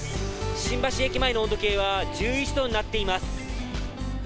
新橋駅前の温度計は、１１度になっています。